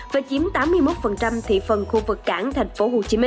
và chiếm tám mươi một thị phần khu vực cảng tp hcm